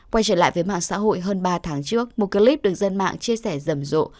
quay trở lại với mạng xã hội hơn ba tháng trước một clip được dân mạng chia sẻ rầm rộ